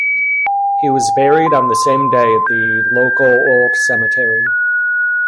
He was buried on the same day at the local Old Cemetery.